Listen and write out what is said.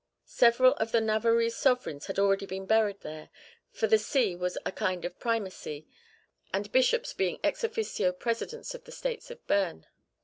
Several of the Navarrese sovereigns had already been buried there, for the See was a kind of primacy, the Bishops being ex officio presidents of the States of Beam.